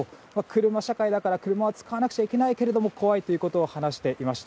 車社会だから車は使わなくちゃいけないけれども怖いと話していました。